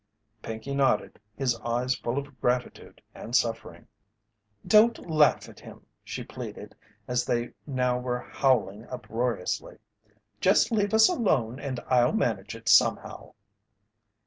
Pinkey nodded, his eyes full of gratitude and suffering. "Don't laugh at him," she pleaded, as they now were howling uproariously. "Just leave us alone and I'll manage it somehow."